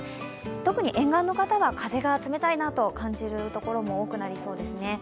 特に沿岸の方は風が冷たいなと感じる所も多くなりそうですね。